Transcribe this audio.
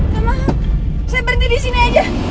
mbak maaf saya berhenti disini aja